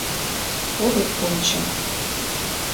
Огыт кончо...